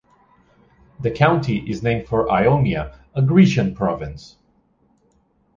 The county is named for Ionia, a Grecian province.